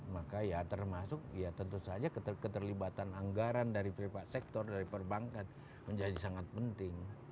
maka ya termasuk ya tentu saja keterlibatan anggaran dari private sector dari perbankan menjadi sangat penting